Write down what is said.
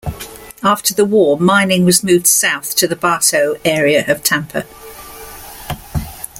After the war, mining was moved south to the Bartow area east of Tampa.